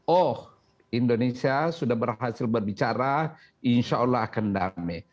oh indonesia sudah berhasil berbicara insya allah akan damai